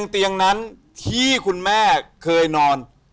เตียงนั้นที่คุณแม่เคยนอน